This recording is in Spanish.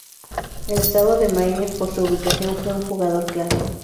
El estado de Maine, por su ubicación, fue un jugador clave.